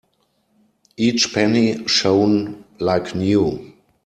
Each penny shone like new.